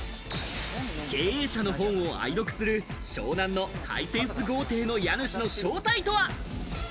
経営者の本を愛読する湘南のハイセンス豪邸の家主の正体とは？